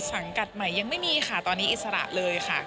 สังกัดใหม่ยังไม่มีค่ะตอนนี้อิสระเลยค่ะ